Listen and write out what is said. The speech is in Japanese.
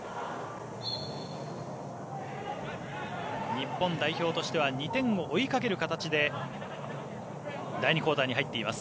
日本代表としては２点を追いかける形で第２クオーターに入っています。